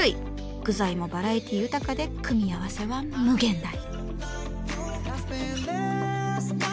具材もバラエティー豊かで組み合わせは無限大。